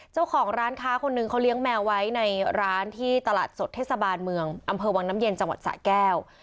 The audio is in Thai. เจ้าของร้านค้าคนหนึ่งเขาเลี้ยงแมวไว้ในร้านที่ตลาดสดเทศบาลเมืองอำเภอวังน้ำเย็นจังหวัดสะแก้ว